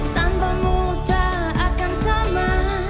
tanpamu tak akan sama